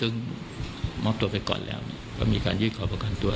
ซึ่งมอบตัวไปก่อนแล้วก็มีการยื่นขอประกันตัว